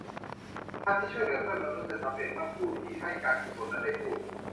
งานที่ช่วยเหลือเพื่อนมนุษย์จะสำเร็จเมื่อผู้ที่ให้กุศลนั้นได้พูด